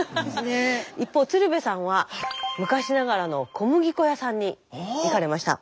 一方鶴瓶さんは昔ながらの小麦粉屋さんに行かれました。